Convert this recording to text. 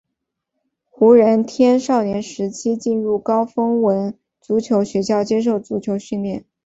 胡人天少年时期进入高丰文足球学校接受足球训练。